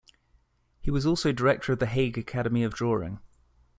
He was also director of the Hague Academy of Drawing.